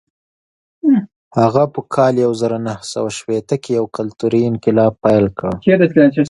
هغه په کال یو زر نهه سوه شپېته کې یو کلتوري انقلاب پیل کړ.